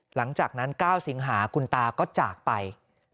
หลังจากนั้น๙สิงหาคุณตาก็จากไป